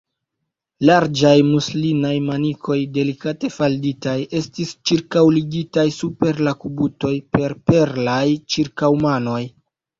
Larĝaj muslinaj manikoj, delikate falditaj, estis ĉirkaŭligitaj super la kubutoj per perlaj ĉirkaŭmanoj.